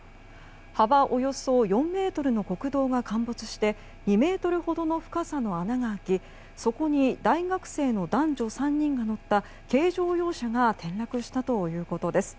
幅およそ４ｍの国道が陥没して２ｍほどの深さの穴が開きそこに大学生の男女３人が乗った軽乗用車が転落したということです。